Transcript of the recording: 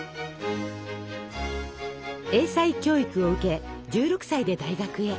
英才教育を受け１６歳で大学へ。